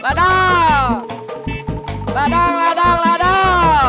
ladang ladang ladang ladang